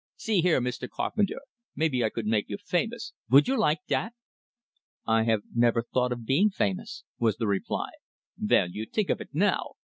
"See here, Mr. Carpenter, maybe I could make you famous. Vould you like dat?" "I have never thought of being famous," was the reply. "Vell, you tink of it now.